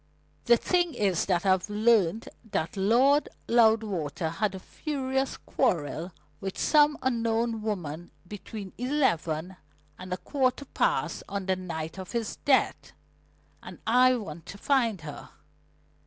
"The thing is that I've learnt that Lord Loudwater had a furious quarrel with some unknown woman between eleven and a quarter past on the night of his death, and I want to find her.